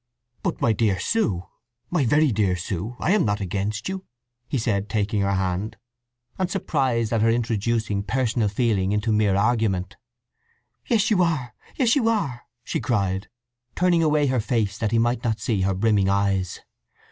"But my dear Sue, my very dear Sue, I am not against you!" he said, taking her hand, and surprised at her introducing personal feeling into mere argument. "Yes you are, yes you are!" she cried, turning away her face that he might not see her brimming eyes.